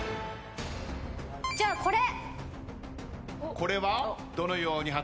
じゃあこれ！